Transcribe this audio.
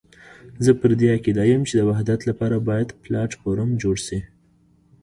زه پر دې عقيده یم چې د وحدت لپاره باید پلاټ فورم جوړ شي.